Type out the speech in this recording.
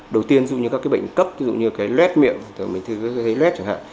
đầu tiên dù như các bệnh cấp dù như lết miệng mình thường thấy lết chẳng hạn